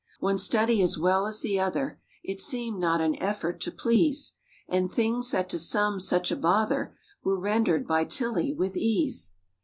One study as well as the other; It seemed not an effort to please; And things, that to some, such a bother Were rendered by Tillie with ease.